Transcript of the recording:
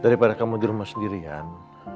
daripada kamu di rumah sendirian